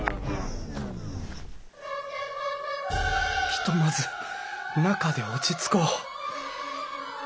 ひとまず中で落ち着こう。